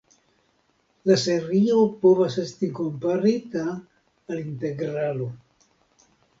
La serio povas esti komparita al integralo.